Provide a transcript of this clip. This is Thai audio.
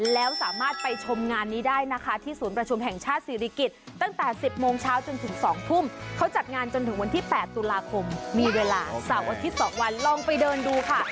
แล้วสามารถไปชมงานนี้ได้นะคะที่ศูนย์ประชุมแห่งชาติศิริกิจตั้งแต่๑๐โมงเช้าจนถึง๒ทุ่มเขาจัดงานจนถึงวันที่๘ตุลาคมมีเวลาเสาร์อาทิตย์๒วันลองไปเดินดูค่ะ